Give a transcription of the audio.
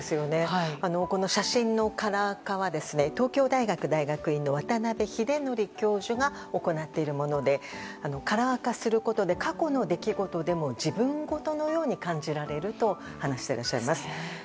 この写真のカラー化は東京大学大学院の渡邉英徳教授が行っているものでカラー化することで過去の出来事でも自分事のように感じられると話していらっしゃいます。